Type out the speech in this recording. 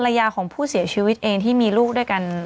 ยาของผู้เสียชีวิตเองที่มีลูกด้วยกัน